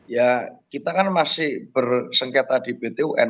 ya kita kan masih bersengketa di pt un